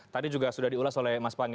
tadi juga sudah diulas oleh mas pangi